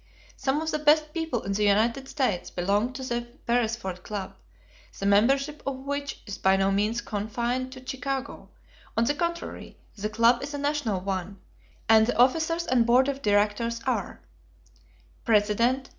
Some of the best people in the United States belong to the Beresford Club, the membership of which is by no means confined to Chicago; on the contrary, the club is a national one and the officers and board of directors are: _President.